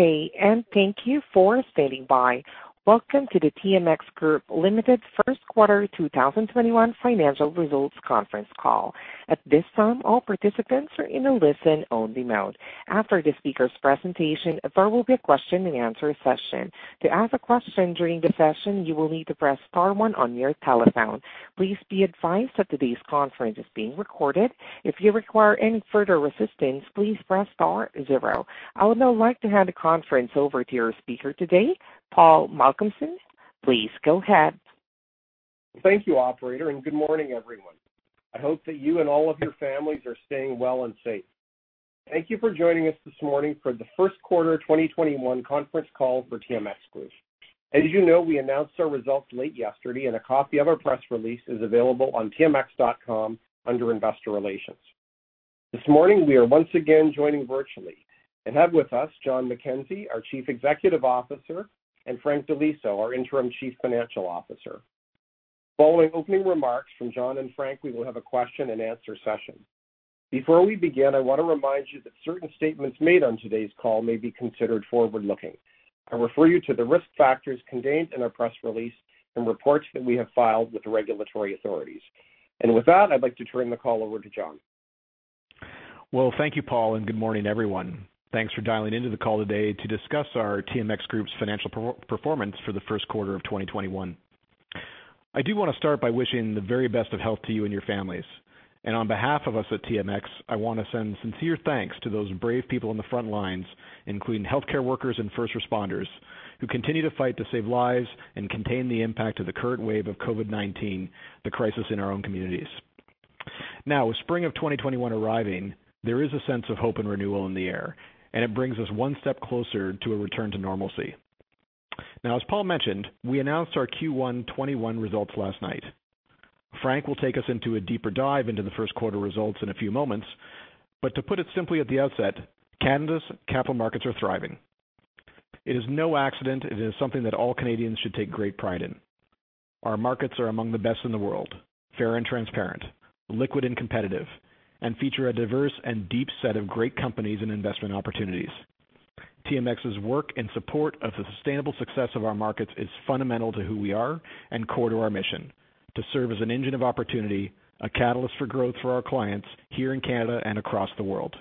Good day, and thank you for standing by. Welcome to the TMX Group Limited first quarter 2021 financial results conference call. At this time, all participants are in a listen-only mode. After the speaker's presentation, there will be a question and answer session. To ask a question during the session, you will need to press star one on your telephone. Please be advised that today's conference is being recorded. If you require any further assistance, please press star zero. I would now like to hand the conference over to your speaker today, Paul Malcomson. Please go ahead. Thank you, operator. Good morning, everyone. I hope that you and all of your families are staying well and safe. Thank you for joining us this morning for the first quarter 2021 conference call for TMX Group. As you know, we announced our results late yesterday, and a copy of our press release is available on tmx.com under investor relations. This morning, we are once again joining virtually and have with us John McKenzie, our Chief Executive Officer, and Frank Di Liso, our Interim Chief Financial Officer. Following opening remarks from John and Frank, we will have a question and answer session. Before we begin, I want to remind you that certain statements made on today's call may be considered forward-looking. I refer you to the risk factors contained in our press release and reports that we have filed with the regulatory authorities. With that, I'd like to turn the call over to John McKenzie. Well, thank you, Paul. Good morning, everyone. Thanks for dialing into the call today to discuss our TMX Group's financial performance for the first quarter of 2021. I do want to start by wishing the very best of health to you and your families. On behalf of us at TMX, I want to send sincere thanks to those brave people on the front lines, including healthcare workers and first responders, who continue to fight to save lives and contain the impact of the current wave of COVID-19, the crisis in our own communities. With spring of 2021 arriving, there is a sense of hope and renewal in the air, and it brings us one step closer to a return to normalcy. As Paul mentioned, we announced our Q1 2021 results last night. Frank will take us into a deeper dive into the first quarter results in a few moments, but to put it simply at the outset, Canada's capital markets are thriving. It is no accident. It is something that all Canadians should take great pride in. Our markets are among the best in the world, fair and transparent, liquid and competitive, and feature a diverse and deep set of great companies and investment opportunities. TMX's work in support of the sustainable success of our markets is fundamental to who we are and core to our mission to serve as an engine of opportunity, a catalyst for growth for our clients here in Canada and across the world.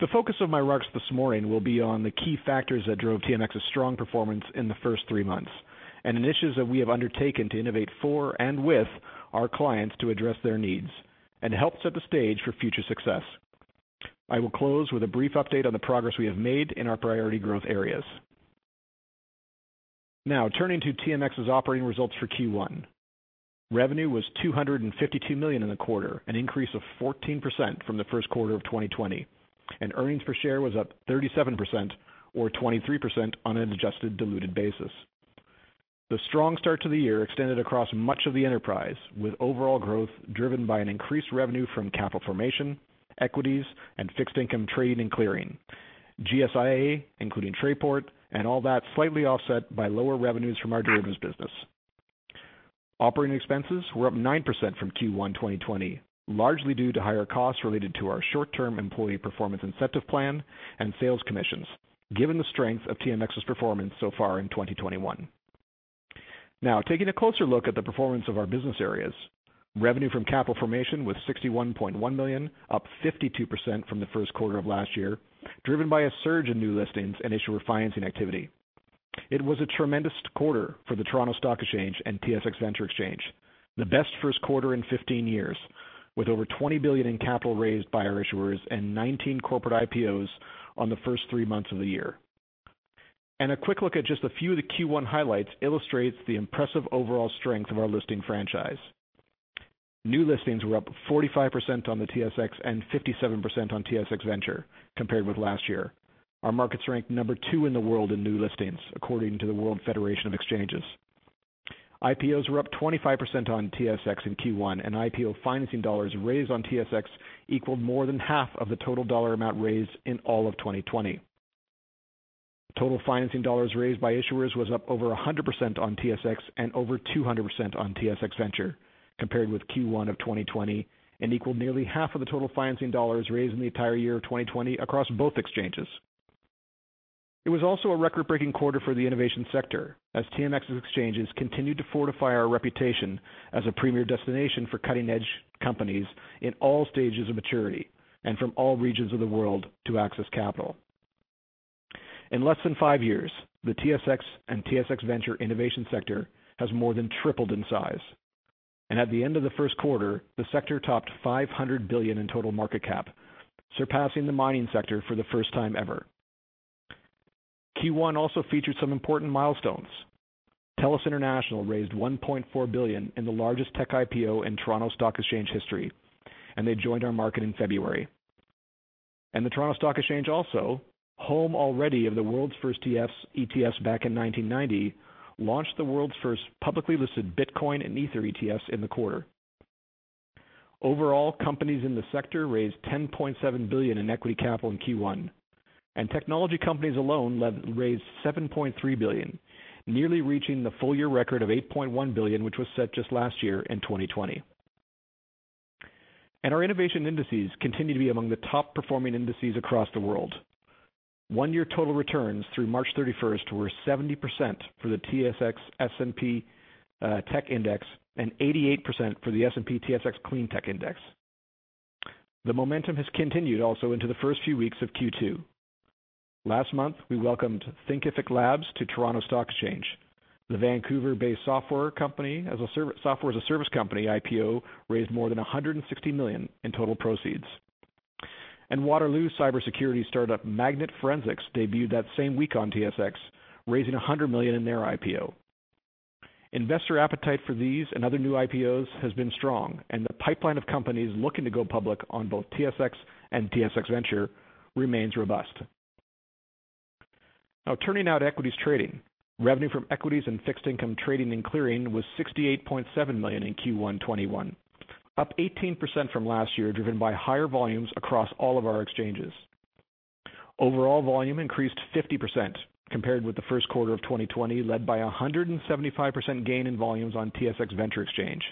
The focus of my remarks this morning will be on the key factors that drove TMX's strong performance in the first three months and initiatives that we have undertaken to innovate for and with our clients to address their needs and help set the stage for future success. I will close with a brief update on the progress we have made in our priority growth areas. Turning to TMX's operating results for Q1. Revenue was 252 million in the quarter, an increase of 14% from the first quarter of 2020. Earnings per share was up 37%, or 23% on an adjusted diluted basis. The strong start to the year extended across much of the enterprise, with overall growth driven by an increased revenue from capital formation, equities, and fixed income trading and clearing. GSIA, including Trayport, all that slightly offset by lower revenues from our derivatives business. Operating expenses were up 9% from Q1 2020, largely due to higher costs related to our short-term employee performance incentive plan and sales commissions, given the strength of TMX Group's performance so far in 2021. Taking a closer look at the performance of our business areas. Revenue from capital formation was CAD 61.1 million, up 52% from the first quarter of last year, driven by a surge in new listings and issuer financing activity. It was a tremendous quarter for the Toronto Stock Exchange and TSX Venture Exchange, the best first quarter in 15 years, with over 20 billion in capital raised by our issuers and 19 corporate IPOs on the first three months of the year. A quick look at just a few of the Q1 highlights illustrates the impressive overall strength of our listing franchise. New listings were up 45% on the TSX and 57% on TSX Venture compared with last year. Our markets ranked number two in the world in new listings, according to the World Federation of Exchanges. IPOs were up 25% on TSX in Q1, and IPO financing dollars raised on TSX equaled more than half of the total dollar amount raised in all of 2020. Total financing dollars raised by issuers was up over 100% on TSX and over 200% on TSX Venture compared with Q1 of 2020 and equaled nearly half of the total financing dollars raised in the entire year of 2020 across both exchanges. It was also a record-breaking quarter for the innovation sector, as TMX's exchanges continued to fortify our reputation as a premier destination for cutting-edge companies in all stages of maturity and from all regions of the world to access capital. In less than five years, the TSX and TSX Venture innovation sector has more than tripled in size. At the end of the first quarter, the sector topped 500 billion in total market cap, surpassing the mining sector for the first time ever. Q1 also featured some important milestones. TELUS International raised 1.4 billion in the largest tech IPO in Toronto Stock Exchange history, and they joined our market in February. The Toronto Stock Exchange also, home already of the world's first ETFs back in 1990, launched the world's first publicly listed Bitcoin and Ether ETFs in the quarter. Overall, companies in the sector raised 10.7 billion in equity capital in Q1, technology companies alone raised 7.3 billion, nearly reaching the full-year record of 8.1 billion, which was set just last year in 2020. Our innovation indices continue to be among the top performing indices across the world. One-year total returns through March 31st were 70% for the TSX S&P Tech Index and 88% for the S&P TSX Clean Tech Index. The momentum has continued also into the first few weeks of Q2. Last month, we welcomed Thinkific Labs to Toronto Stock Exchange. The Vancouver-based software as a service company IPO raised more than 160 million in total proceeds. Waterloo cybersecurity startup Magnet Forensics debuted that same week on TSX, raising 100 million in their IPO. Investor appetite for these and other new IPOs has been strong, and the pipeline of companies looking to go public on both TSX and TSX Venture remains robust. Turning now to equities trading. Revenue from equities and fixed income trading and clearing was 68.7 million in Q1 2021, up 18% from last year, driven by higher volumes across all of our exchanges. Overall volume increased 50% compared with the first quarter of 2020, led by 175% gain in volumes on TSX Venture Exchange.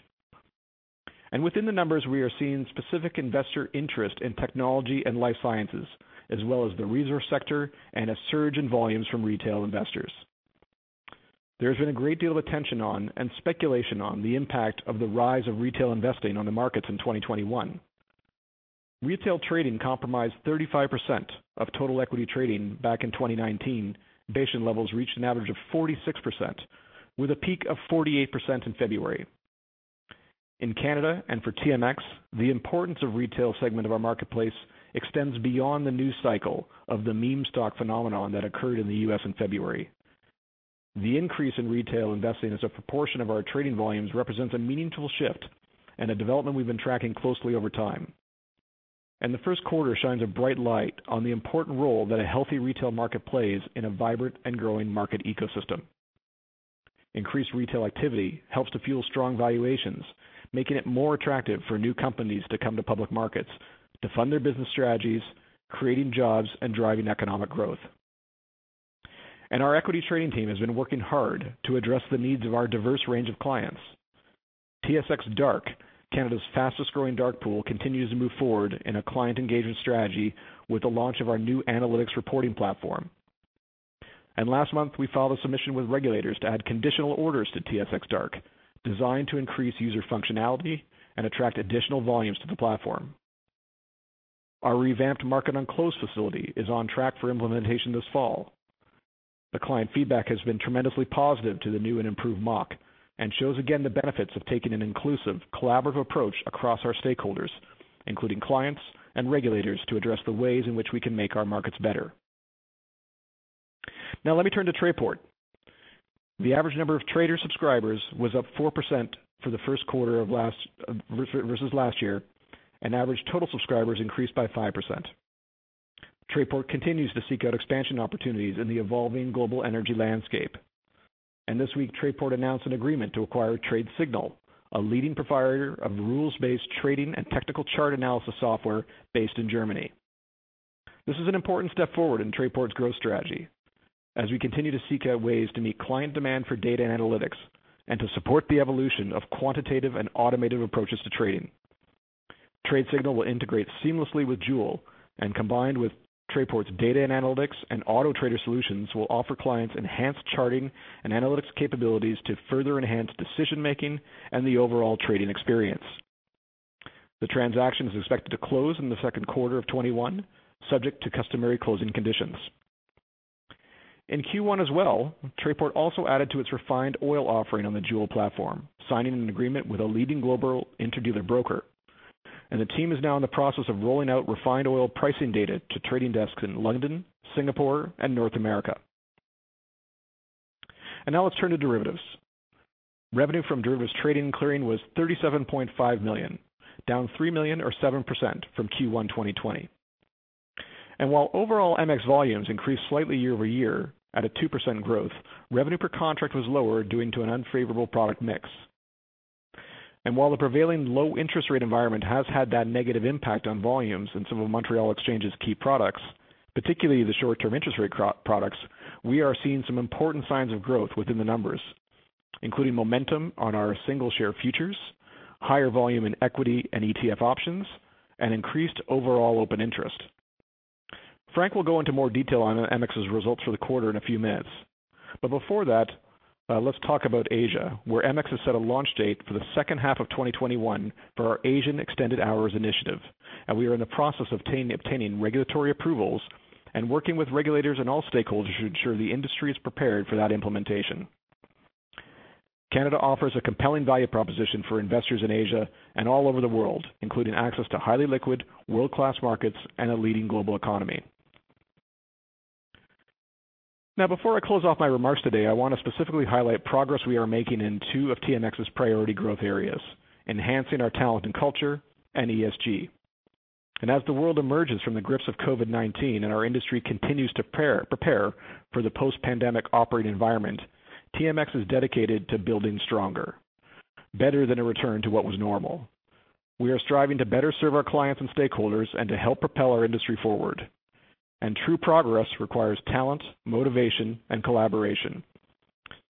Within the numbers, we are seeing specific investor interest in technology and life sciences, as well as the resource sector and a surge in volumes from retail investors. There's been a great deal of attention on and speculation on the impact of the rise of retail investing on the markets in 2021. Retail trading comprised 35% of total equity trading back in 2019. Base levels reached an average of 46%, with a peak of 48% in February. In Canada and for TMX, the importance of retail segment of our marketplace extends beyond the news cycle of the meme stock phenomenon that occurred in the U.S. in February. The increase in retail investing as a proportion of our trading volumes represents a meaningful shift and a development we've been tracking closely over time. The first quarter shines a bright light on the important role that a healthy retail market plays in a vibrant and growing market ecosystem. Increased retail activity helps to fuel strong valuations, making it more attractive for new companies to come to public markets to fund their business strategies, creating jobs and driving economic growth. Our equity trading team has been working hard to address the needs of our diverse range of clients. TSX DRK, Canada's fastest-growing dark pool, continues to move forward in a client engagement strategy with the launch of our new analytics reporting platform. Last month, we filed a submission with regulators to add conditional orders to TSX DRK, designed to increase user functionality and attract additional volumes to the platform. Our revamped Market on Close facility is on track for implementation this fall. The client feedback has been tremendously positive to the new and improved MOC and shows again the benefits of taking an inclusive, collaborative approach across our stakeholders, including clients and regulators, to address the ways in which we can make our markets better. Now let me turn to Trayport. The average number of trader subscribers was up 4% for the first quarter versus last year, average total subscribers increased by 5%. Trayport continues to seek out expansion opportunities in the evolving global energy landscape. This week, Trayport announced an agreement to acquire Tradesignal, a leading provider of rules-based trading and technical chart analysis software based in Germany. This is an important step forward in Trayport's growth strategy as we continue to seek out ways to meet client demand for data and analytics and to support the evolution of quantitative and automated approaches to trading. Tradesignal will integrate seamlessly with Joule, and combined with Trayport's data and analytics and autoTRADER solutions will offer clients enhanced charting and analytics capabilities to further enhance decision-making and the overall trading experience. The transaction is expected to close in the second quarter of 2021, subject to customary closing conditions. In Q1 as well, Trayport also added to its refined oil offering on the Joule platform, signing an agreement with a leading global interdealer broker. The team is now in the process of rolling out refined oil pricing data to trading desks in London, Singapore, and North America. Now let's turn to derivatives. Revenue from derivatives trading and clearing was 37.5 million, down 3 million or 7% from Q1 2020. While overall MX volumes increased slightly year-over-year at a 2% growth, revenue per contract was lower due to an unfavorable product mix. While the prevailing low interest rate environment has had that negative impact on volumes in some of Montréal Exchange's key products, particularly the short-term interest rate products, we are seeing some important signs of growth within the numbers, including momentum on our single share futures, higher volume in equity and ETF options, and increased overall open interest. Frank will go into more detail on MX's results for the quarter in a few minutes. Before that, let's talk about Asia, where MX has set a launch date for the second half of 2021 for our Asian extended hours initiative. We are in the process of obtaining regulatory approvals and working with regulators and all stakeholders to ensure the industry is prepared for that implementation. Canada offers a compelling value proposition for investors in Asia and all over the world, including access to highly liquid, world-class markets, and a leading global economy. Before I close off my remarks today, I want to specifically highlight progress we are making in two of TMX's priority growth areas, enhancing our talent and culture and ESG. As the world emerges from the grips of COVID-19 and our industry continues to prepare for the post-pandemic operating environment, TMX is dedicated to building stronger, better than a return to what was normal. We are striving to better serve our clients and stakeholders and to help propel our industry forward. True progress requires talent, motivation, and collaboration.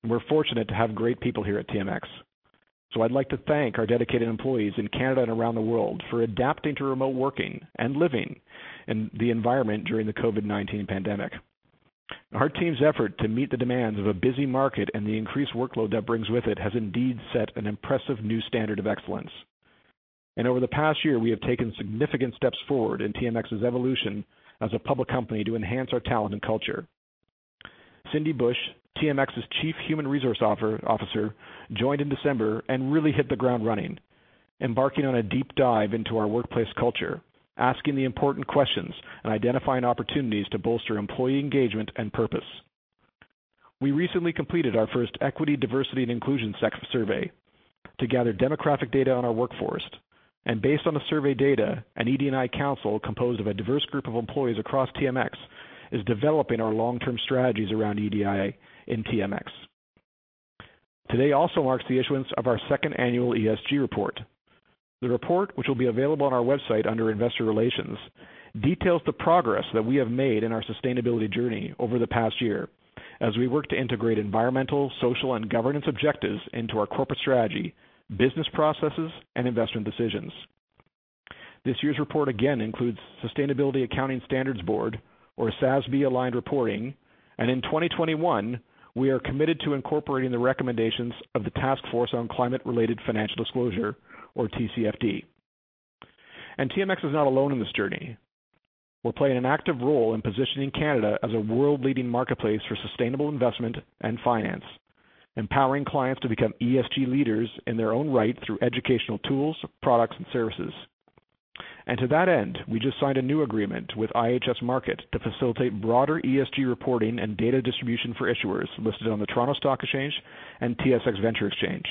We're fortunate to have great people here at TMX. I'd like to thank our dedicated employees in Canada and around the world for adapting to remote working and living in the environment during the COVID-19 pandemic. Our team's effort to meet the demands of a busy market and the increased workload that brings with it has indeed set an impressive new standard of excellence. Over the past year, we have taken significant steps forward in TMX's evolution as a public company to enhance our talent and culture. Cindy Bush, TMX's Chief Human Resources Officer, joined in December and really hit the ground running, embarking on a deep dive into our workplace culture, asking the important questions, and identifying opportunities to bolster employee engagement and purpose. We recently completed our first equity, diversity, and inclusion survey to gather demographic data on our workforce. Based on the survey data, an ED&I council composed of a diverse group of employees across TMX is developing our long-term strategies around ED&I in TMX. Today also marks the issuance of our second annual ESG report. The report, which will be available on our website under investor relations, details the progress that we have made in our sustainability journey over the past year as we work to integrate environmental, social, and governance objectives into our corporate strategy, business processes, and investment decisions. This year's report again includes Sustainability Accounting Standards Board, or SASB-aligned reporting, and in 2021, we are committed to incorporating the recommendations of the Task Force on Climate-related Financial Disclosure, or TCFD. TMX is not alone in this journey. We're playing an active role in positioning Canada as a world-leading marketplace for sustainable investment and finance, empowering clients to become ESG leaders in their own right through educational tools, products, and services. To that end, we just signed a new agreement with IHS Markit to facilitate broader ESG reporting and data distribution for issuers listed on the Toronto Stock Exchange and TSX Venture Exchange.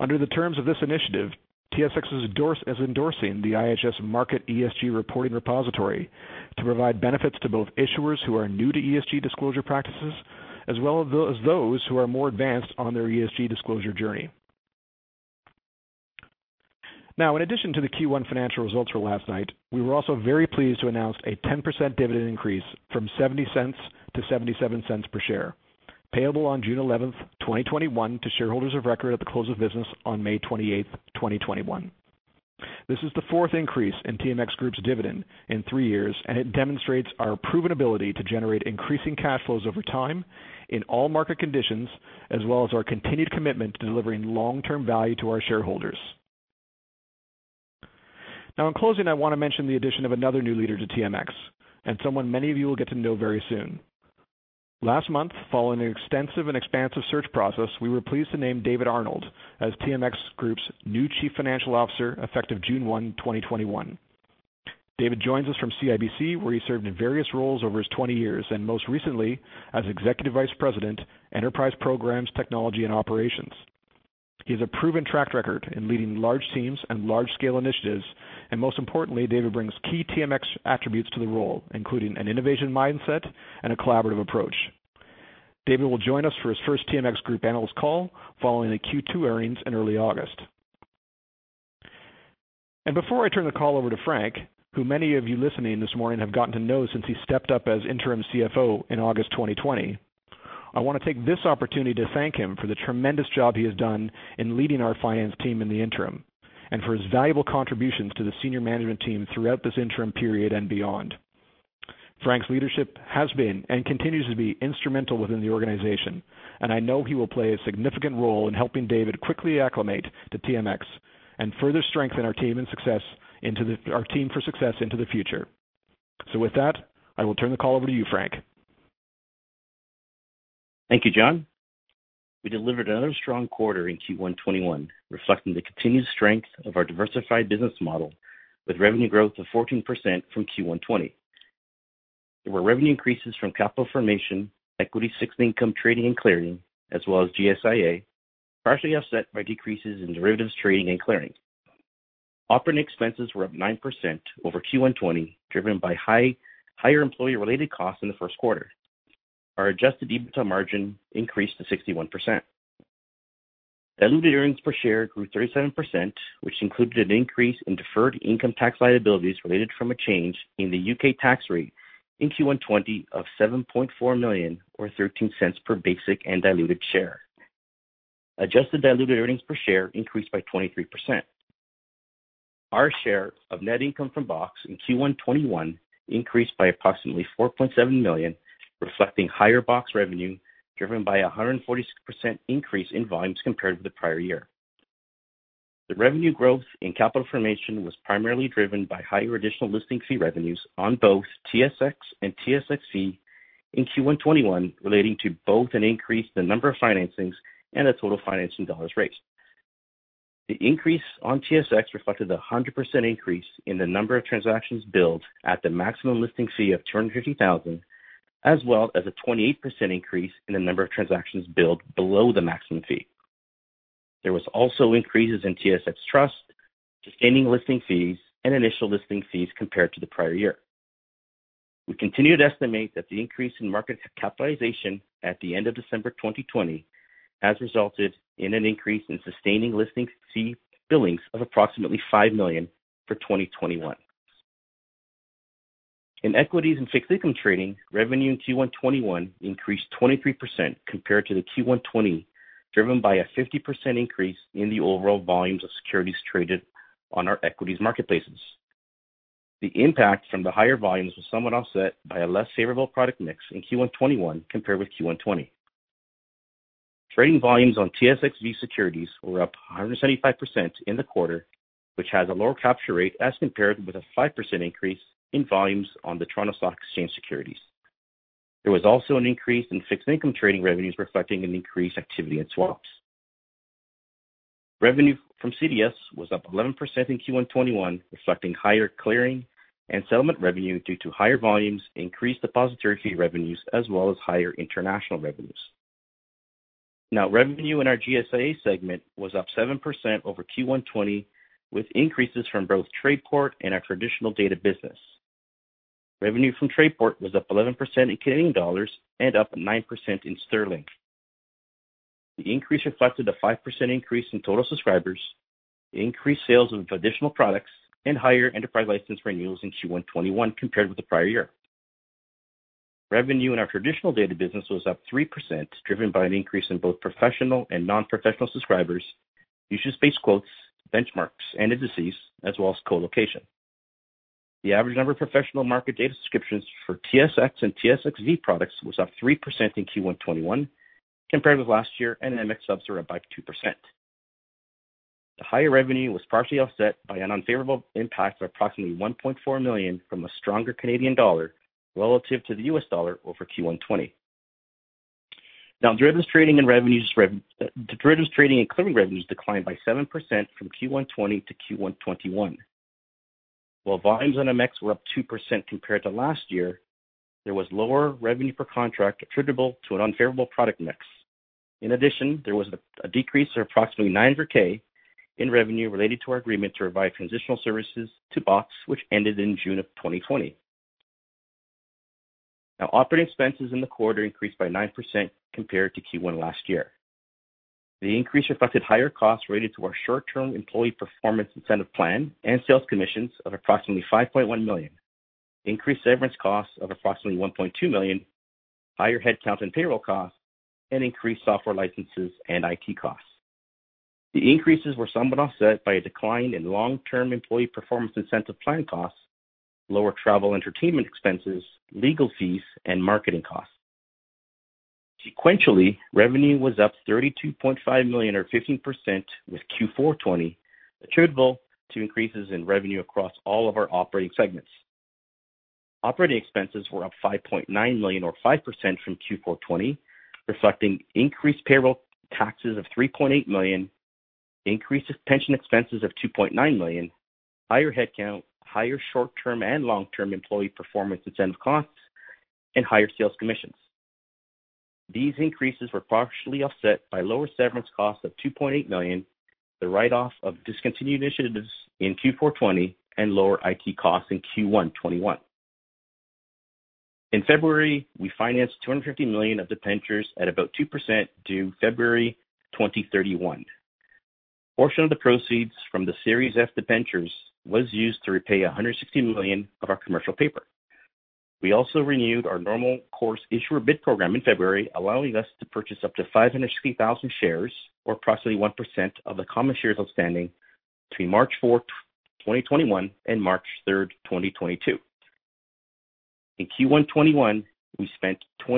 Under the terms of this initiative, TSX is endorsing the IHS Markit ESG reporting repository to provide benefits to both issuers who are new to ESG disclosure practices, as well as those who are more advanced on their ESG disclosure journey. In addition to the Q1 financial results for last night, we were also very pleased to announce a 10% dividend increase from 0.70-0.77 per share, payable on June 11th, 2021, to shareholders of record at the close of business on May 28th, 2021. This is the fourth increase in TMX Group's dividend in three years. It demonstrates our proven ability to generate increasing cash flows over time in all market conditions, as well as our continued commitment to delivering long-term value to our shareholders. In closing, I want to mention the addition of another new leader to TMX and someone many of you will get to know very soon. Last month, following an extensive and expansive search process, we were pleased to name David Arnold as TMX Group's new Chief Financial Officer, effective June 1, 2021. David joins us from CIBC, where he served in various roles over his 20 years, and most recently as Executive Vice President, Enterprise Programs, Technology and Operations. He has a proven track record in leading large teams and large-scale initiatives. Most importantly, David brings key TMX attributes to the role, including an innovation mindset and a collaborative approach. David will join us for his first TMX Group analyst call following the Q2 earnings in early August. Before I turn the call over to Frank, who many of you listening this morning have gotten to know since he stepped up as interim CFO in August 2020, I want to take this opportunity to thank him for the tremendous job he has done in leading our finance team in the interim and for his valuable contributions to the senior management team throughout this interim period and beyond. Frank's leadership has been and continues to be instrumental within the organization, and I know he will play a significant role in helping David quickly acclimate to TMX and further strengthen our team for success into the future. With that, I will turn the call over to you, Frank. Thank you, John. We delivered another strong quarter in Q1 2021, reflecting the continued strength of our diversified business model with revenue growth of 14% from Q1 2020. There were revenue increases from capital formation, equity fixed income trading and clearing, as well as GSIA, partially offset by decreases in derivatives trading and clearing. Operating expenses were up 9% over Q1 2020, driven by higher employee-related costs in the first quarter. Our adjusted EBITDA margin increased to 61%. Diluted earnings per share grew 37%, which included an increase in deferred income tax liabilities related from a change in the U.K. tax rate in Q1 2020 of 7.4 million, or 0.13 per basic and diluted share. Adjusted diluted earnings per share increased by 23%. Our share of net income from BOX in Q1 2021 increased by approximately 4.7 million, reflecting higher BOX revenue driven by 146% increase in volumes compared with the prior year. The revenue growth in capital formation was primarily driven by higher additional listing fee revenues on both TSX and TSXV in Q1 2021, relating to both an increase in the number of financings and the total financing dollars raised. The increase on TSX reflected the 100% increase in the number of transactions billed at the maximum listing fee of 250,000, as well as a 28% increase in the number of transactions billed below the maximum fee. There was also increases in TSX Trust, sustaining listing fees, and initial listing fees compared to the prior year. We continue to estimate that the increase in market capitalization at the end of December 2020 has resulted in an increase in sustaining listing fee billings of approximately 5 million for 2021. In Equities and fixed income trading, revenue in Q1 2021 increased 23% compared to the Q1 2020, driven by a 50% increase in the overall volumes of securities traded on our equities marketplaces. The impact from the higher volumes was somewhat offset by a less favorable product mix in Q1 2021 compared with Q1 2020. Trading volumes on TSXV securities were up 175% in the quarter, which has a lower capture rate as compared with a 5% increase in volumes on the Toronto Stock Exchange securities. There was also an increase in fixed income trading revenues, reflecting an increased activity in swaps. Revenue from CDS was up 11% in Q1 2021, reflecting higher clearing and settlement revenue due to higher volumes, increased depository fee revenues, as well as higher international revenues. Revenue in our GSIA segment was up 7% over Q1 2020, with increases from both Trayport and our traditional data business. Revenue from Trayport was up 11% in Canadian dollars and up 9% in sterling. The increase reflected a 5% increase in total subscribers, increased sales of additional products, and higher enterprise license renewals in Q1 2021 compared with the prior year. Revenue in our traditional data business was up 3%, driven by an increase in both professional and non-professional subscribers, usage-based quotes, benchmarks, and indices, as well as colocation. The average number of professional market data subscriptions for TSX and TSXV products was up 3% in Q1 2021 compared with last year, and MX subs were up by 2%. The higher revenue was partially offset by an unfavorable impact of approximately 1.4 million from a stronger Canadian dollar relative to the U.S. dollar over Q1 2020. Derivatives trading and clearing revenues declined by 7% from Q1 2020 to Q1 2021. While volumes on MX were up 2% compared to last year, there was lower revenue per contract attributable to an unfavorable product mix. In addition, there was a decrease of approximately 900,000 in revenue related to our agreement to provide transitional services to BOX, which ended in June 2020. Operating expenses in the quarter increased by 9% compared to Q1 2020. The increase reflected higher costs related to our short-term employee performance incentive plan and sales commissions of approximately 5.1 million, increased severance costs of approximately 1.2 million, higher headcount and payroll costs, and increased software licenses and IT costs. The increases were somewhat offset by a decline in long-term employee performance incentive plan costs, lower travel entertainment expenses, legal fees, and marketing costs. Sequentially, revenue was up 32.5 million or 15% with Q4 2020, attributable to increases in revenue across all of our operating segments. Operating expenses were up 5.9 million or 5% from Q4 2020, reflecting increased payroll taxes of 3.8 million, increased pension expenses of 2.9 million, higher headcount, higher short-term and long-term employee performance incentive costs, and higher sales commissions. These increases were partially offset by lower severance costs of 2.8 million, the write-off of discontinued initiatives in Q4 2020, and lower IT costs in Q1 2021. In February, we financed 250 million of debentures at about 2% due February 2031. A portion of the proceeds from the Series F Debentures was used to repay 160 million of our commercial paper. We also renewed our normal course issuer bid program in February, allowing us to purchase up to 560,000 shares, or approximately 1% of the common shares outstanding, between March 4, 2021, and March 3, 2022. In Q1 2021, we spent CAD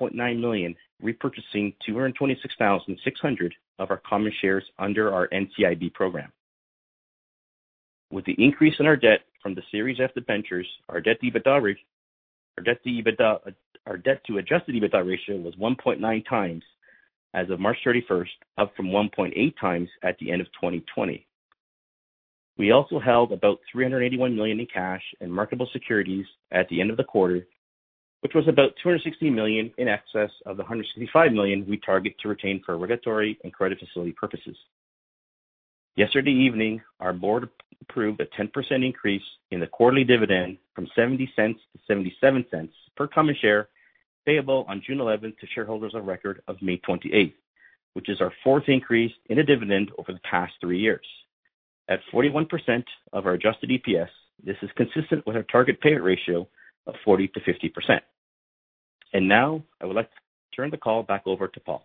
28.9 million repurchasing 226,600 of our common shares under our NCIB program. With the increase in our debt from the Series F Debentures, our debt to adjusted EBITDA ratio was 1.9x as of March 31st, up from 1.8x at the end of 2020. We also held about 381 million in cash and marketable securities at the end of the quarter, which was about 260 million in excess of the 165 million we target to retain for regulatory and credit facility purposes. Yesterday evening, our board approved a 10% increase in the quarterly dividend from 0.70-0.77 per common share, payable on June 11th to shareholders of record of May 28th, which is our fourth increase in a dividend over the past three years. At 41% of our adjusted EPS, this is consistent with our target payout ratio of 40%-50%. Now, I would like to turn the call back over to Paul.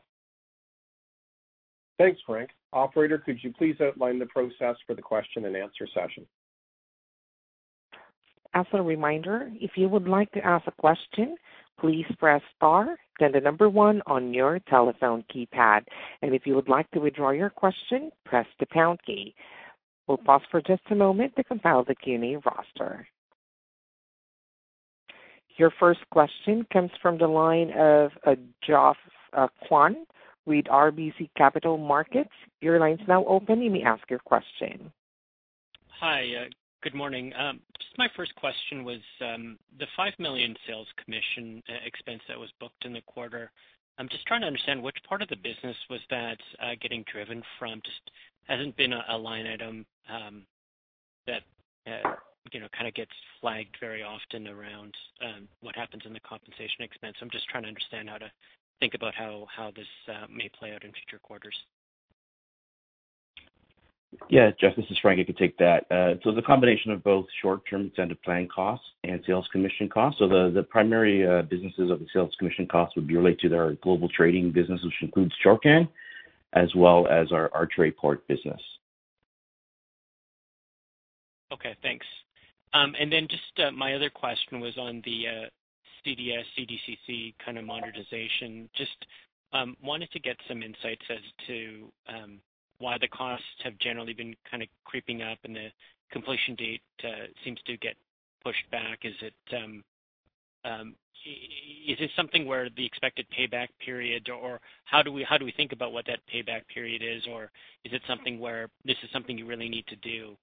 Thanks, Frank. Operator, could you please outline the process for the question and answer session? As a reminder, if you would like to ask a question, please press star, then the number one on your telephone keypad. If you would like to withdraw your question, press the pound key. We'll pause for just a moment to compile the Q&A roster. Your first question comes from the line of Geoff Kwan with RBC Capital Markets. Your line's now open. You may ask your question. Hi. Good morning. Just my first question was, the 5 million sales commission expense that was booked in the quarter, I'm just trying to understand which part of the business was that getting driven from. Just hasn't been a line item that kind of gets flagged very often around what happens in the compensation expense. I'm just trying to understand how to think about how this may play out in future quarters. Yeah, Geoff, this is Frank. I can take that. It's a combination of both short-term incentive plan costs and sales commission costs. The primary businesses of the sales commission costs would be related to our global trading business, which includes Shorcan, as well as our Trayport business. Okay, thanks. Just my other question was on the CDS, CDCC kind of monetization. Just wanted to get some insights as to why the costs have generally been kind of creeping up and the completion date seems to get pushed back. Is it something where the expected payback period, or how do we think about what that payback period is? Is it something where this is something you really need to do,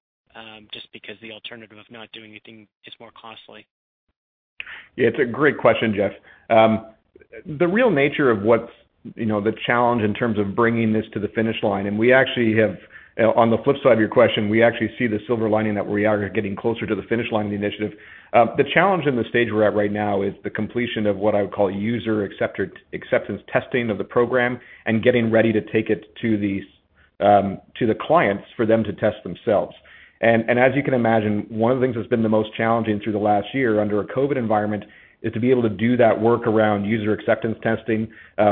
just because the alternative of not doing anything is more costly? Yeah, it's a great question, Geoff. The real nature of what's the challenge in terms of bringing this to the finish line, and we actually have, on the flip side of your question, we actually see the silver lining that we are getting closer to the finish line of the initiative. The challenge in the stage we're at right now is the completion of what I would call user acceptance testing of the program and getting ready to take it to the clients for them to test themselves. As you can imagine, one of the things that's been the most challenging through the last year under a COVID environment is to be able to do that work around user acceptance testing.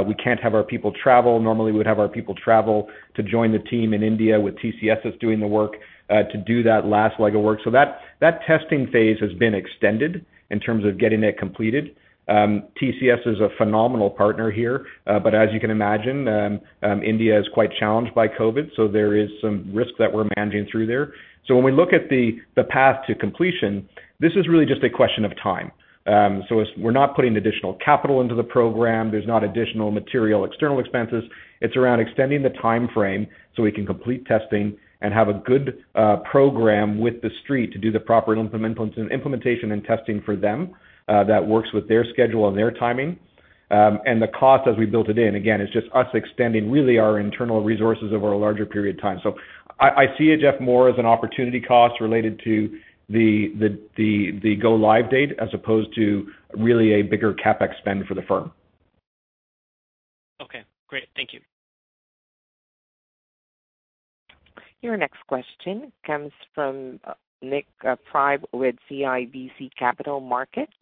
We can't have our people travel. Normally, we'd have our people travel to join the team in India with TCS that's doing the work, to do that last leg of work. That testing phase has been extended in terms of getting it completed. TCS is a phenomenal partner here. As you can imagine, India is quite challenged by COVID, so there is some risk that we're managing through there. When we look at the path to completion, this is really just a question of time. We're not putting additional capital into the program. There's not additional material, external expenses. It's around extending the timeframe so we can complete testing and have a good program with the street to do the proper implementation and testing for them that works with their schedule and their timing. The cost as we built it in, again, is just us extending really our internal resources over a larger period of time. I see it, Geoff, more as an opportunity cost related to the go live date as opposed to really a bigger CapEx spend for the firm. Okay, great. Thank you. Your next question comes from Nik Priebe with CIBC Capital Markets.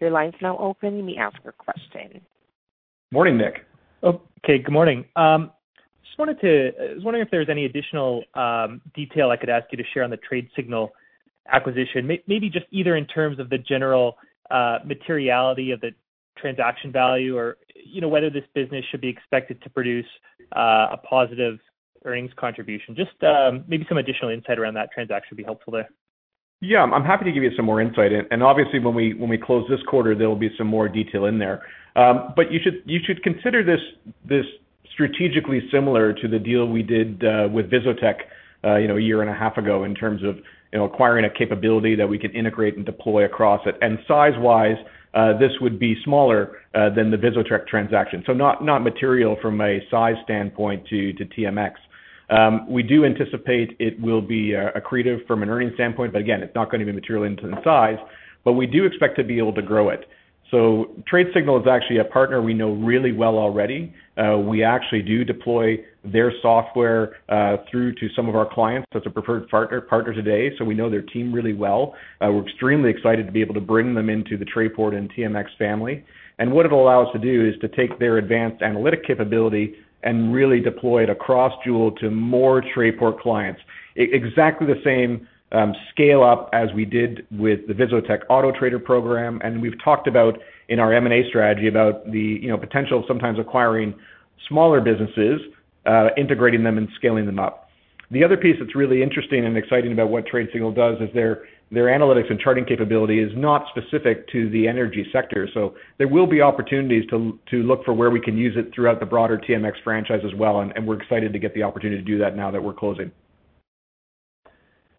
Your line's now open. You may ask your question. Morning, Nik. Okay, good morning. I was wondering if there's any additional detail I could ask you to share on the Tradesignal acquisition. Maybe just either in terms of the general materiality of the transaction value or whether this business should be expected to produce a positive earnings contribution. Just maybe some additional insight around that transaction would be helpful there. I'm happy to give you some more insight. Obviously when we close this quarter, there'll be some more detail in there. You should consider this strategically similar to the deal we did with VisoTech a year and a half ago in terms of acquiring a capability that we can integrate and deploy across it. Size-wise, this would be smaller than the VisoTech transaction. Not material from a size standpoint to TMX. We do anticipate it will be accretive from an earnings standpoint, but again, it's not going to be material in terms of size, but we do expect to be able to grow it. Tradesignal is actually a partner we know really well already. We actually do deploy their software through to some of our clients as a preferred partner today, so we know their team really well. We're extremely excited to be able to bring them into the Trayport and TMX family. What it'll allow us to do is to take their advanced analytic capability and really deploy it across Joule to more Trayport clients. Exactly the same scale-up as we did with the VisoTech autoTRADER program, and we've talked about in our M&A strategy about the potential of sometimes acquiring smaller businesses, integrating them, and scaling them up. The other piece that's really interesting and exciting about what Tradesignal does is their analytics and charting capability is not specific to the energy sector. There will be opportunities to look for where we can use it throughout the broader TMX franchise as well, and we're excited to get the opportunity to do that now that we're closing.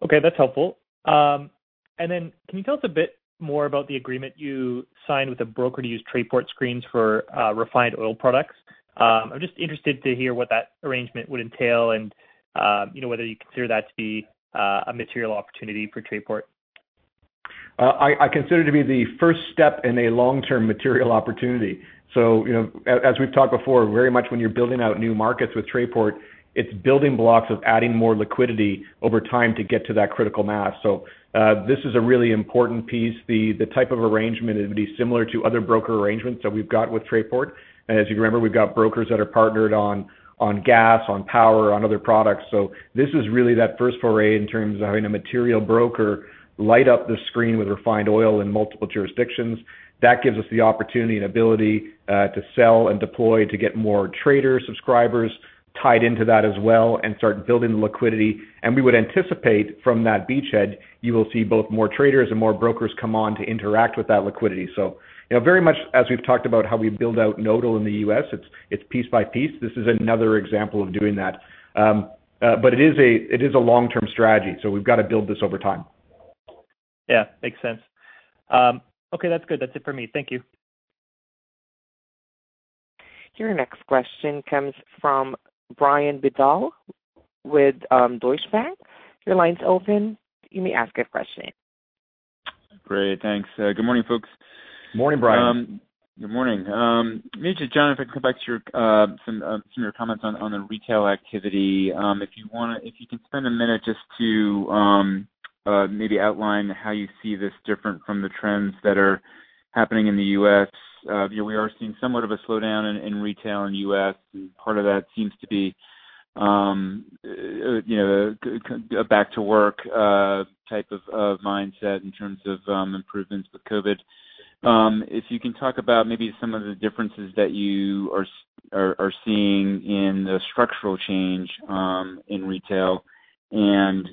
Okay, that's helpful. Then can you tell us a bit more about the agreement you signed with a broker to use Trayport screens for refined oil products? I'm just interested to hear what that arrangement would entail and whether you consider that to be a material opportunity for Trayport. I consider it to be the first step in a long-term material opportunity. As we've talked before, very much when you're building out new markets with Trayport, it's building blocks of adding more liquidity over time to get to that critical mass. This is a really important piece. The type of arrangement, it would be similar to other broker arrangements that we've got with Trayport. As you remember, we've got brokers that are partnered on gas, on power, on other products. This is really that first foray in terms of having a material broker light up the screen with refined oil in multiple jurisdictions. That gives us the opportunity and ability to sell and deploy to get more trader subscribers tied into that as well and start building the liquidity. We would anticipate from that beachhead, you will see both more traders and more brokers come on to interact with that liquidity. Very much as we've talked about how we build out Nodal in the U.S., it's piece by piece. This is another example of doing that. It is a long-term strategy, so we've got to build this over time. Yeah, makes sense. Okay, that's good. That's it for me. Thank you. Your next question comes from Brian Bedell with Deutsche Bank. Your line's open. You may ask a question. Great. Thanks. Good morning, folks. Morning, Brian. Good morning. Maybe, John, if I can come back to some of your comments on the retail activity. If you can spend a minute just to maybe outline how you see this different from the trends that are happening in the U.S. We are seeing somewhat of a slowdown in retail in U.S. Part of that seems to be a back-to-work type of mindset in terms of improvements with COVID-19. If you can talk about maybe some of the differences that you are seeing in the structural change in retail and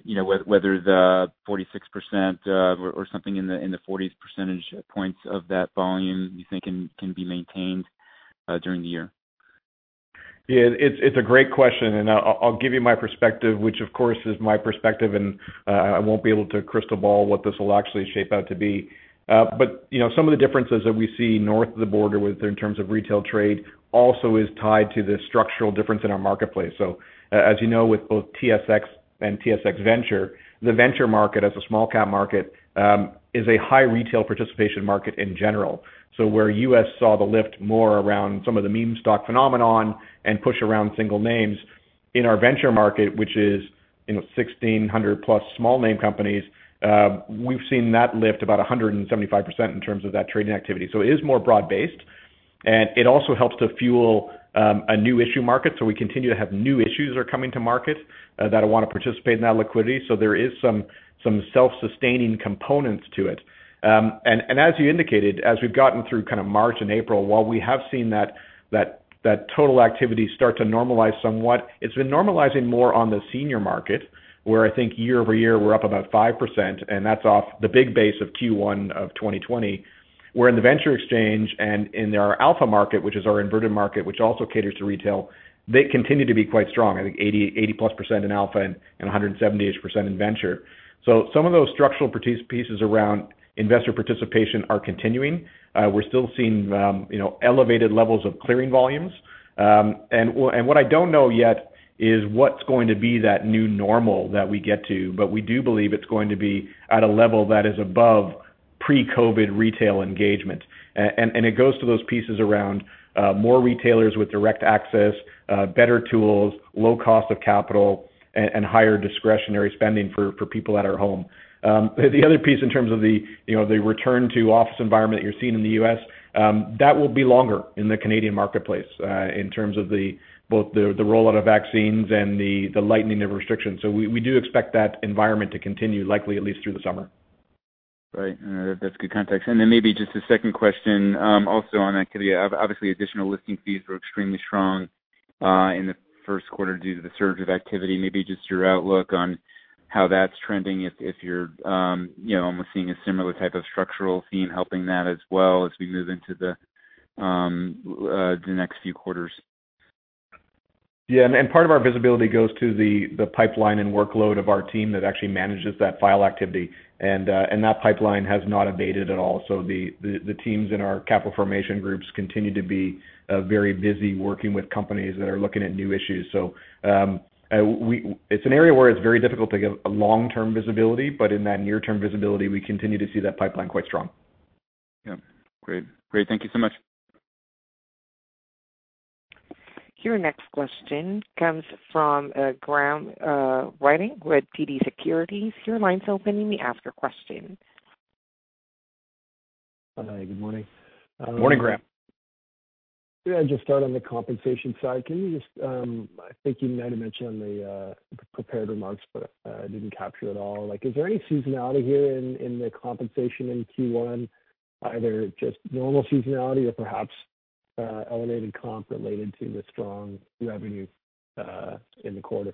whether the 46% or something in the 40s percentage points of that volume you think can be maintained during the year. Yeah. It's a great question, and I'll give you my perspective, which of course is my perspective, and I won't be able to crystal ball what this will actually shape out to be. Some of the differences that we see north of the border in terms of retail trade also is tied to the structural difference in our marketplace. As you know, with both TSX and TSX Venture, the venture market as a small cap market, is a high retail participation market in general. Where U.S. saw the lift more around some of the meme stock phenomenon and push around single names, in our venture market, which is 1,600+small name companies, we've seen that lift about 175% in terms of that trading activity. It is more broad-based, and it also helps to fuel a new issue market. We continue to have new issues that are coming to market that want to participate in that liquidity. There is some self-sustaining components to it. As you indicated, as we've gotten through kind of March and April, while we have seen that total activity start to normalize somewhat, it's been normalizing more on the senior market, where I think year-over-year, we're up about 5%, and that's off the big base of Q1 2020. Where in the Venture Exchange and in our Alpha market, which is our inverted market, which also caters to retail, they continue to be quite strong, I think 80%+ in Alpha and 178% in Venture. Some of those structural pieces around investor participation are continuing. We're still seeing elevated levels of clearing volumes. What I don't know yet is what's going to be that new normal that we get to. We do believe it's going to be at a level that is above pre-COVID retail engagement. It goes to those pieces around more retailers with direct access, better tools, low cost of capital, and higher discretionary spending for people at our home. The other piece in terms of the return to office environment that you're seeing in the U.S., that will be longer in the Canadian marketplace, in terms of both the rollout of vaccines and the lightening of restrictions. We do expect that environment to continue, likely at least through the summer. Right. No, that's good context. Maybe just a second question, also on activity. Obviously, additional listing fees were extremely strong in the first quarter due to the surge of activity. Maybe just your outlook on how that's trending, if we're seeing a similar type of structural theme helping that as well as we move into the next few quarters. Part of our visibility goes to the pipeline and workload of our team that actually manages that file activity. That pipeline has not abated at all. The teams in our capital formation groups continue to be very busy working with companies that are looking at new issues. It's an area where it's very difficult to give long-term visibility, but in that near-term visibility, we continue to see that pipeline quite strong. Yeah. Great. Thank you so much. Your next question comes from Graham Ryding with TD Securities. Your line's open. You may ask your question. Hi. Good morning. Morning, Graham. Yeah, just start on the compensation side. I think you might have mentioned the prepared remarks, but I didn't capture it all. Is there any seasonality here in the compensation in Q1, either just normal seasonality or perhaps elevated comp related to the strong revenue in the quarter?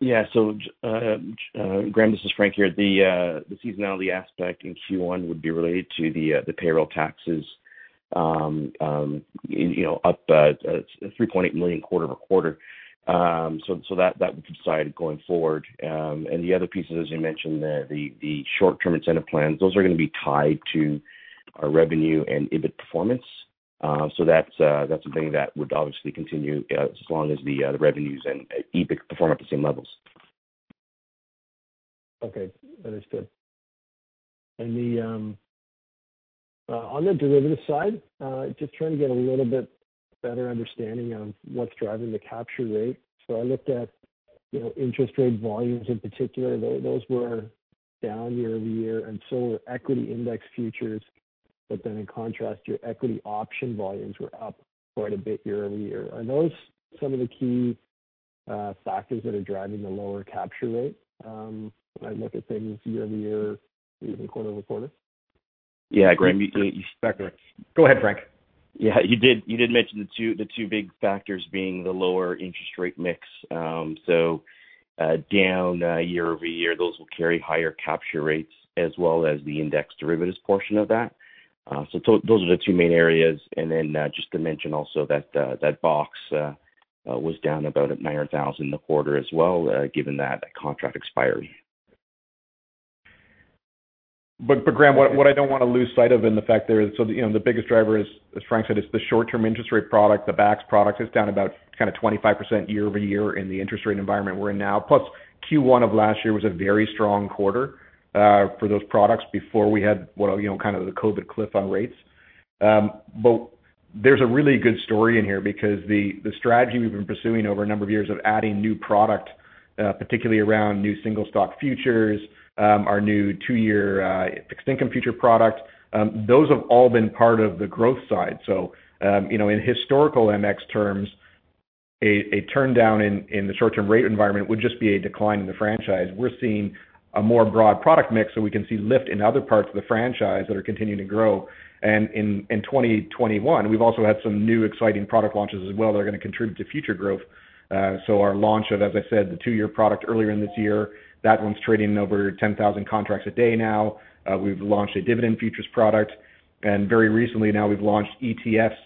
Yeah. Graham, this is Frank here. The seasonality aspect in Q1 would be related to the payroll taxes, up 3.8 million quarter-over-quarter. That would subside going forward. The other piece is, as you mentioned, the short-term incentive plans. Those are going to be tied to our revenue and EBIT performance. That's something that would obviously continue as long as the revenues and EBIT perform at the same levels. Okay. Understood. On the derivative side, just trying to get a little bit better understanding of what's driving the capture rate. I looked at interest rate volumes in particular. Those were down year-over-year, and so were equity index futures. In contrast, your equity option volumes were up quite a bit year-over-year. Are those some of the key factors that are driving the lower capture rate when I look at things year-over-year, even quarter-over-quarter? Yeah, Graham. Sorry. Go ahead, Frank. You did mention the two big factors being the lower interest rate mix. Down year-over-year, those will carry higher capture rates as well as the index derivatives portion of that. Those are the two main areas. Just to mention also that BOX was down about 900,000 in the quarter as well, given that contract expiry. Graham, what I don't want to lose sight of in the fact there is, the biggest driver is, as Frank said, is the short-term interest rate product, the BAX product. It's down about kind of 25% year-over-year in the interest rate environment we're in now. Plus, Q1 of last year was a very strong quarter for those products before we had kind of the COVID cliff on rates. There's a really good story in here because the strategy we've been pursuing over a number of years of adding new product, particularly around new single stock futures, our new two-year fixed-income future product, those have all been part of the growth side. In historical MX terms, a turndown in the short-term rate environment would just be a decline in the franchise. We're seeing a more broad product mix, so we can see lift in other parts of the franchise that are continuing to grow. In 2021, we've also had some new exciting product launches as well that are going to contribute to future growth. Our launch of, as I said, the two-year product earlier in this year, that one's trading over 10,000 contracts a day now. We've launched a dividend futures product. Very recently now we've launched ETF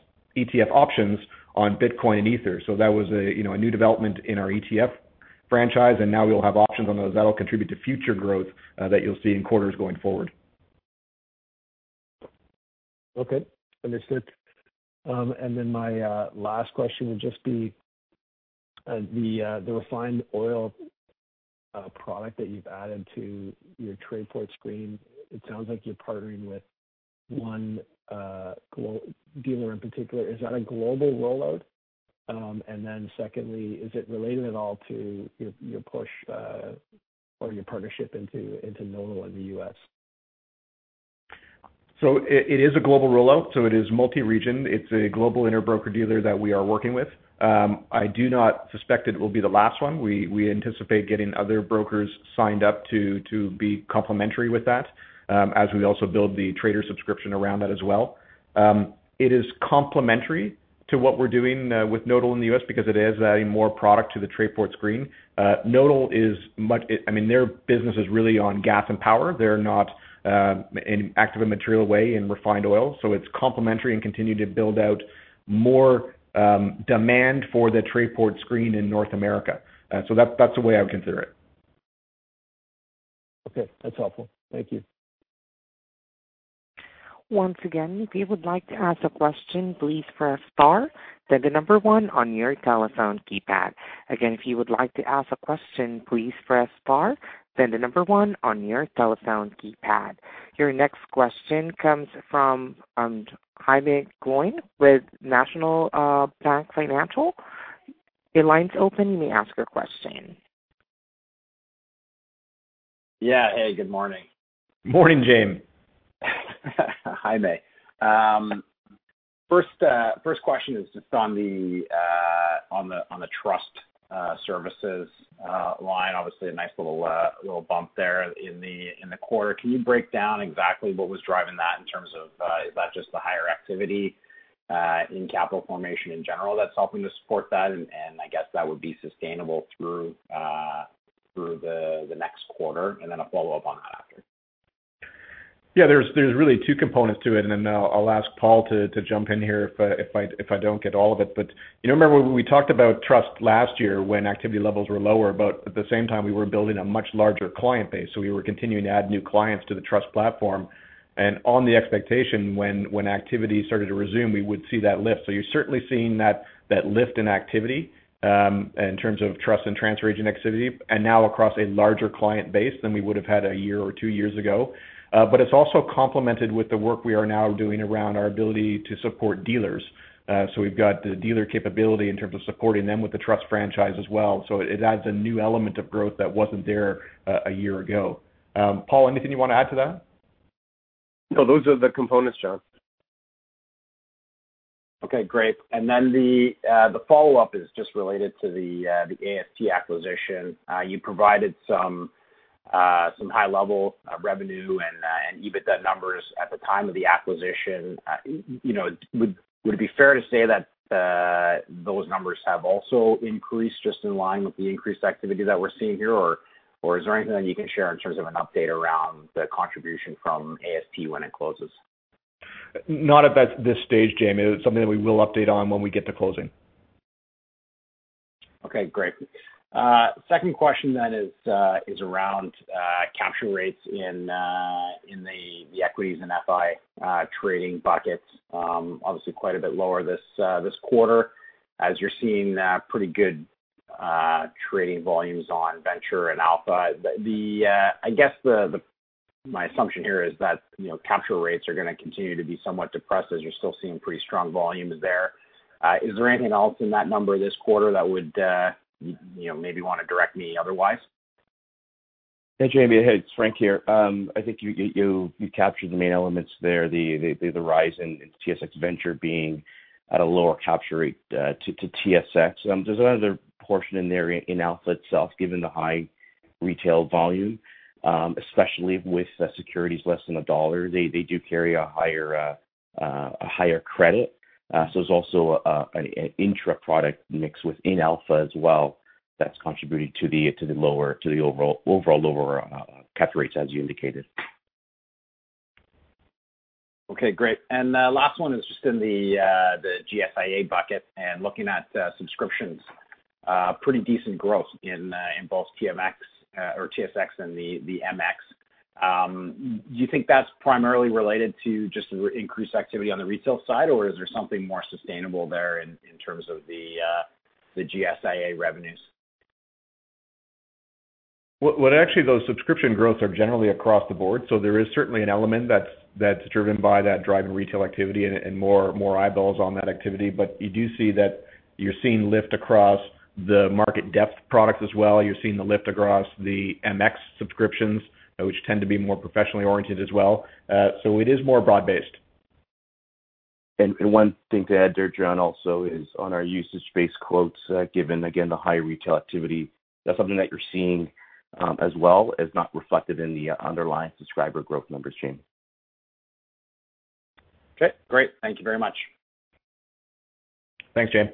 options on Bitcoin and Ether. That was a new development in our ETF franchise, and now we'll have options on those that'll contribute to future growth that you'll see in quarters going forward. Okay. Understood. My last question would just be the refined oil product that you've added to your Trayport screen. It sounds like you're partnering with one dealer in particular. Is that a global rollout? Secondly, is it related at all to your push or your partnership into Nodal in the U.S.? It is a global rollout. It is multi-region. It's a global inter-broker dealer that we are working with. I do not suspect it will be the last one. We anticipate getting other brokers signed up to be complementary with that, as we also build the trader subscription around that as well. It is complementary to what we're doing with Nodal Exchange in the U.S. because it is adding more product to the Trayport screen. Nodal Exchange, their business is really on gas and power. They're not in an active and material way in refined oil, so it's complementary and continuing to build out more demand for the Trayport screen in North America. That's the way I would consider it. Okay. That's helpful. Thank you. Once again, if you would like to ask a question, please press star then the number one on your telephone keypad. Again, if you would like to ask a question, please press star then the number one on your telephone keypad. Your next question comes from Jaeme Gloyn with National Bank Financial. Your line's open. You may ask your question. Yeah. Hey, good morning. Morning, Jaeme. Jaeme, first question is just on the trust services line. Obviously, a nice little bump there in the quarter. Can you break down exactly what was driving that in terms of, is that just the higher activity in capital formation in general that's helping to support that? I guess that would be sustainable through the next quarter? Then a follow-up on that after? There's really two components to it, and then I'll ask Paul to jump in here if I don't get all of it. Remember when we talked about trust last year when activity levels were lower, but at the same time, we were building a much larger client base, so we were continuing to add new clients to the trust platform. On the expectation when activity started to resume, we would see that lift. You're certainly seeing that lift in activity, in terms of trust and transfer agent activity, and now across a larger client base than we would've had a year or two years ago. It's also complemented with the work we are now doing around our ability to support dealers. We've got the dealer capability in terms of supporting them with the trust franchise as well. It adds a new element of growth that wasn't there a year ago. Paul, anything you want to add to that? No, those are the components, John. Okay, great. The follow-up is just related to the AST acquisition. You provided some high-level revenue and EBITDA numbers at the time of the acquisition. Would it be fair to say that those numbers have also increased just in line with the increased activity that we're seeing here, or is there anything that you can share in terms of an update around the contribution from AST when it closes? Not at this stage, Jaeme. It is something that we will update on when we get to closing. Okay, great. Second question is around capture rates in the equities and FI trading buckets. Obviously quite a bit lower this quarter as you're seeing pretty good trading volumes on Venture and Alpha. I guess my assumption here is that capture rates are going to continue to be somewhat depressed as you're still seeing pretty strong volumes there. Is there anything else in that number this quarter that would maybe want to direct me otherwise? Hey, Jaeme. Hey, it's Frank here. I think you captured the main elements there, the rise in TSX Venture being at a lower capture rate to TSX. There's another portion in there in Alpha itself, given the high retail volume, especially with securities less than a dollar. They do carry a higher credit. There's also an intra-product mix within Alpha as well that's contributing to the overall lower capture rates, as you indicated. Okay, great. Last one is just in the GSIA bucket and looking at subscriptions. Pretty decent growth in both TMX or TSX and the MX. Do you think that's primarily related to just increased activity on the retail side, or is there something more sustainable there in terms of the GSIA revenues? Well, actually those subscription growths are generally across the board. There is certainly an element that's driven by that driving retail activity and more eyeballs on that activity. You do see that you're seeing lift across the market depth products as well. You're seeing the lift across the MX subscriptions, which tend to be more professionally oriented as well. It is more broad-based. One thing to add there, John, also is on our usage-based quotes, given, again, the high retail activity. That's something that you're seeing as well as not reflected in the underlying subscriber growth numbers, Jaeme. Okay, great. Thank you very much. Thanks, Jaeme.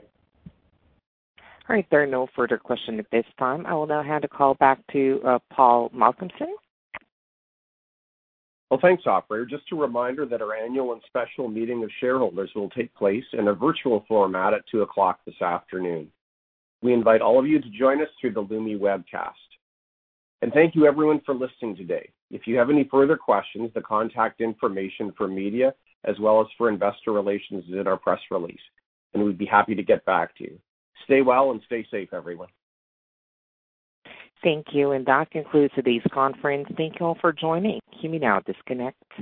All right. There are no further questions at this time. I will now hand the call back to Paul Malcomson. Well, thanks, operator. Just a reminder that our annual and special meeting of shareholders will take place in a virtual format at 2:00 P.M. We invite all of you to join us through the Lumi webcast. Thank you everyone for listening today. If you have any further questions, the contact information for media as well as for investor relations is in our press release, and we'd be happy to get back to you. Stay well and stay safe, everyone. Thank you. That concludes today's conference. Thank you all for joining. You may now disconnect.